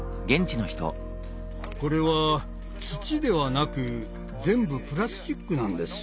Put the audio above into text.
これは土ではなく全部プラスチックなんです。